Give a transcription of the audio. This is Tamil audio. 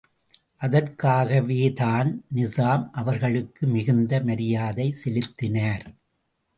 அதற்காகவேதான் நிசாம் அவர்களுக்கு மிகுந்த மரியாதை செலுத்தினார்.